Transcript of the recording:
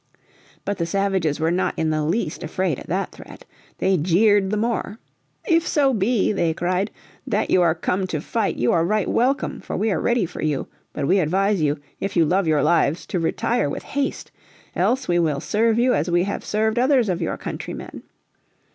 But the savages were not in the least afraid at that threat. They jeered the more. "If so be," they cried, "that you are come to fight you are right welcome, for we are ready for you. But we advise you, if you love your lives, to retire with haste. Else we will serve you as we have served others of your countrymen."